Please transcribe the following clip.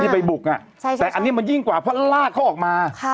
ไปบุกแต่อันนี้มันยิ่งกว่าเพราะลากเขาออกมา